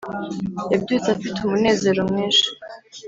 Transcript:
yabyutse afite umunezero mwinshi